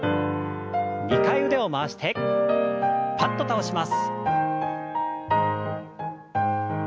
２回腕を回してパッと倒します。